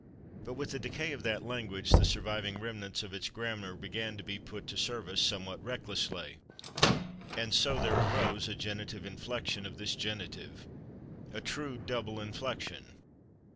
But with the decay of that language the surviving remnants of its grammar began to be put to service somewhat recklessly, and so there arose a genitive inflection of this genitive a true double inflection.